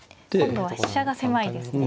今度は飛車が狭いですね。